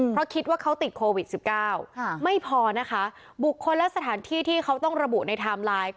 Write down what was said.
เพราะคิดว่าเขาติดโควิด๑๙ไม่พอนะคะบุคคลและสถานที่ที่เขาต้องระบุในไทม์ไลน์